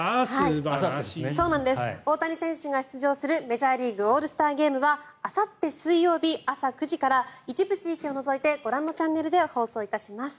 大谷選手が出場するメジャーリーグオールスターゲームはあさって水曜日朝９時から一部地域を除いてご覧のチャンネルで放送します。